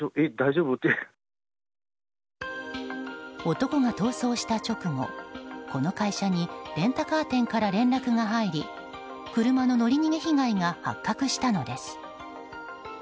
男が逃走した直後、この会社にレンタカー店から連絡が入り車の乗り逃げ被害が発覚したのです。